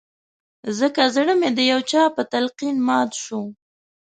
ځکه زړه مې د يو چا په تلقين مات شو